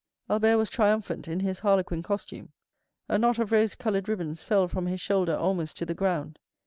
Albert was triumphant in his harlequin costume. A knot of rose colored ribbons fell from his shoulder almost to the ground.